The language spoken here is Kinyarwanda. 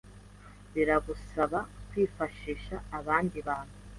Biragusaba kwifashisha anbandi bantu